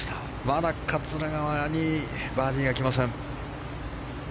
まだ桂川にバーディーが来ません。